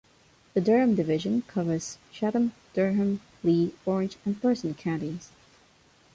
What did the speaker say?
The Durham division covers Chatham, Durham, Lee, Orange, and Person counties.